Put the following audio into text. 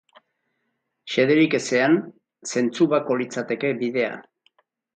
Xederik ezean, zentzubako litzateke bidea.